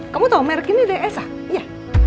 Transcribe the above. kamu tahu merk ini dari elsa iya